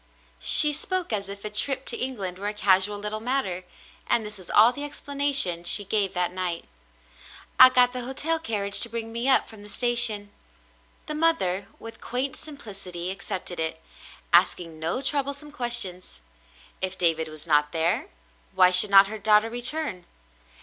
She spoke as if a trip to England were a casual little matter, and this was all the explana tion she gave that night. "I got the hotel carriage to bring me up from the station." The mother, with quaint simplicity, accepted it, asking no troublesome questions. If David was not there, why should not her daughter return.